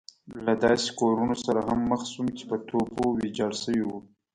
له داسې کورونو سره هم مخ شوم چې په توپو ويجاړ شوي وو.